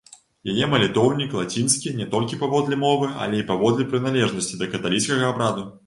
Яе малітоўнік лацінскі не толькі паводле мовы, але і паводле прыналежнасці да каталіцкага абраду.